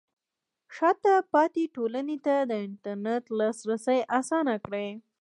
شاته پاتې ټولنې ته د انټرنیټ لاسرسی اسانه کړئ.